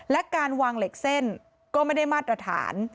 และการวางเหล็กเส้นก็ไม่ได้มาตรฐาน